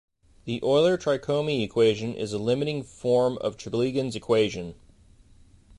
The Euler-Tricomi equation is a limiting form of Chaplygin's equation.